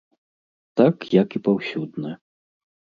Так як і паўсюдна.